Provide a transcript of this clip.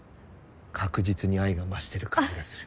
確実に愛が増してる感じがする。